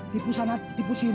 dipusana tipis ini oh